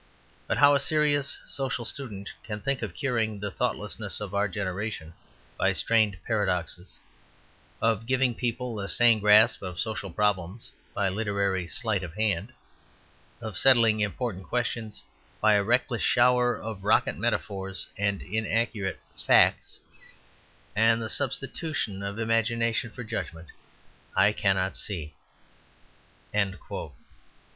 But how a serious social student can think of curing the thoughtlessness of our generation by strained paradoxes; of giving people a sane grasp of social problems by literary sleight of hand; of settling important questions by a reckless shower of rocket metaphors and inaccurate 'facts,' and the substitution of imagination for judgment, I cannot see."